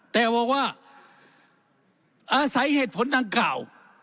แต่บอกว่าอาศัยเหตุผลดังกล่าว